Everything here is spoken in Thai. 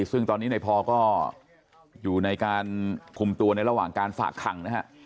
ซึ่งตอนนี้ในพอก็อยู่ในการคุมตัวในระหว่างการฝากขังนะฮะ